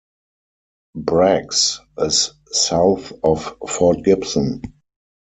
Braggs is south of Fort Gibson.